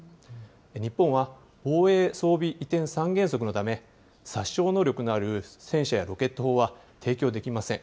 日本は防衛装備移転三原則のため殺傷能力のある戦車やロケット砲は提供できません。